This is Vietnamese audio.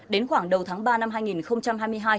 đến khoảng đầu tháng ba năm hai nghìn hai mươi hai